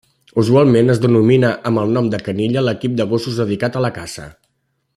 Usualment es denomina amb el nom de canilla l'equip de gossos dedicat a la caça.